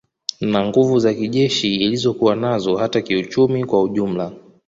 Na nguvu za kijeshi ilizokuwa nazo hata kiuchumi kwa ujumla